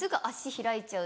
開いちゃう。